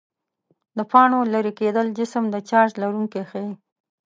د پاڼو لیري کېدل جسم د چارج لرونکی ښيي.